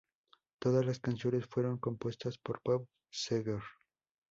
Todas las canciones fueron compuestas por Bob Seger.